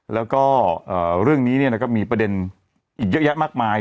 แล้วก็เรื่องนี้ก็มีประเด็นอีกเยอะแยะมากมาย